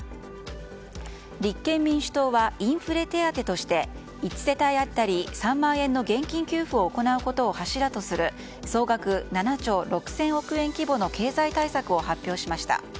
立憲民主党はインフレ手当として１世帯当たり３万円の現金給付を行うことを柱とする総額７兆６０００億円規模の経済対策を発表しました。